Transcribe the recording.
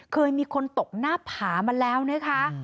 เคยมีคนตกหน้าผามาแล้วนะคะ